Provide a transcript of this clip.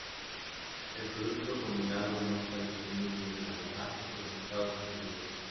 El producto combinado no está disponible en Canadá o los Estados Unidos.